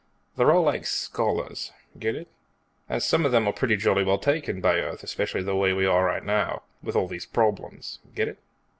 They're all like scholars, get it? And some of them are pretty jolly well taken by Earth, especially the way we are right now, with all the problems, get it?